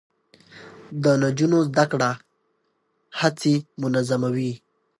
د نجونو زده کړه هڅې منظموي.